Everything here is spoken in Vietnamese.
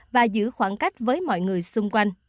và giữ khoảng cách với mọi người xung quanh